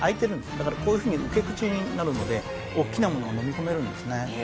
だからこういう風に受け口になるので大きなものをのみ込めるんですね。